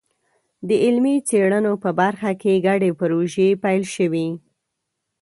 د علمي څېړنو په برخه کې ګډې پروژې پیل شوي.